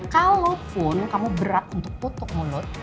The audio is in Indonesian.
kalaupun kamu berat untuk tutup mulut